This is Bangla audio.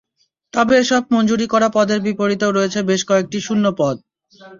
তবে এসব মঞ্জুরি করা পদের বিপরীতেও রয়েছে বেশ কয়েকটি শূন্য পদ।